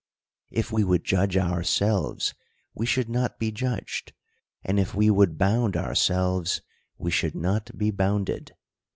If we would judge ourselves, we should not be judged ; and if we would bound our selves, we should not be bounded.